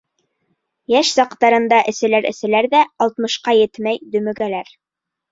Йәш саҡтарында эсәләр-эсәләр ҙә алтмышҡа етмәй дөмөгәләр.